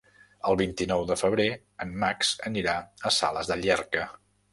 El vint-i-nou de febrer en Max anirà a Sales de Llierca.